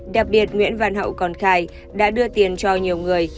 đặc biệt nguyễn văn hậu còn khai đã đưa tiền cho nhiều người